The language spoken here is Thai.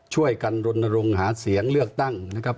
ช่วยกันรณรงค์หาเสียงเลือกตั้งนะครับ